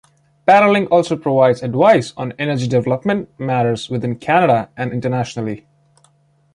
Paralink also provides advice on energy development matters within Canada and internationally.